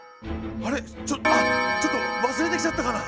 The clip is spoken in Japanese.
あれあっちょっと忘れてきちゃったかな。